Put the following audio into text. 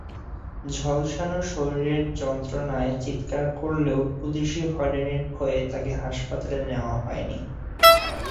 ঝলসানো শরীরের যন্ত্রণায় চিৎকার করলেও পুলিশি হয়রানির ভয়ে তাকে হাসপাতালে নেওয়া হয়নি।